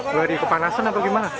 dua hari kepanasan atau gimana